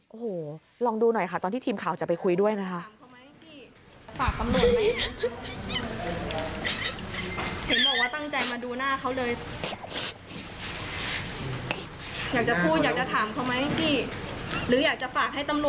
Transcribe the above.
โอ้โหลองดูหน่อยค่ะตอนที่ทีมข่าวจะไปคุยด้วยนะคะ